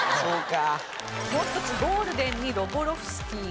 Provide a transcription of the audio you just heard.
もう一つ「“ゴールデン”に“ロボロフスキー”